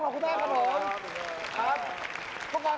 ขอบคุณค่ะผู้ควร